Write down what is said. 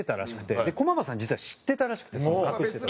駒場さん実は知ってたらしくてその隠してた事を。